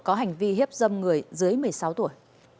có hành vi hiếp dâm người dưới một mươi sáu tuổi